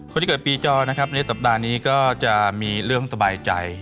คนที่เกิดปีจอนะครับในสัปดาห์นี้ก็จะมีเรื่องสบายใจ